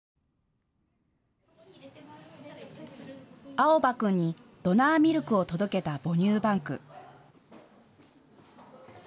蒼波君にドナーミルクを届けた母乳バンク。